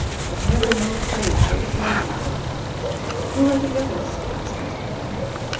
I've never Imown trade so slow before." "Who are the others?" asked Mr. Pump.